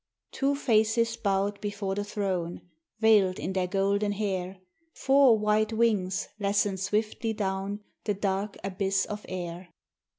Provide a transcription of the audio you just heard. Two faces bowed before the Throne, veiled in their golden hair; Four white wings lessened swiftly down the dark abyss of air.